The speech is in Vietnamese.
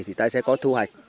thì ta sẽ có thu hoạch